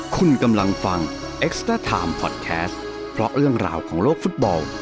คุณกำลังฟังเอ็กซ์เตอร์ไทม์พอดแคสต์เพราะเรื่องราวของโลกฟุตบอล